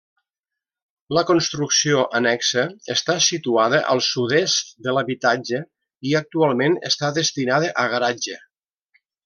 La construcció annexa està situada al sud-est de l'habitatge i actualment està destinada a garatge.